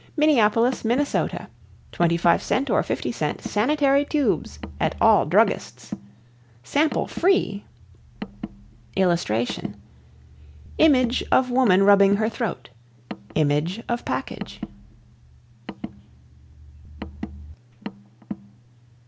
Minneapolis. Minn. 25c or 50c Sanitary Tubes at all Druggists. Sample FREE [Illustration: Image of woman rubbing her throat. Image of package.